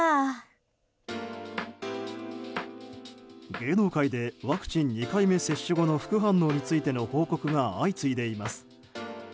芸能界でワクチン２回目接種後の副反応についての報告が相次いでいます。